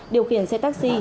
điều khiển xe taxi